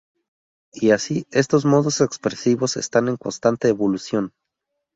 Y así estos modos expresivos están en constante evolución.